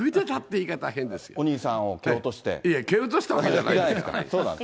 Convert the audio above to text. いや、蹴落としたわけじゃなそうなんですか？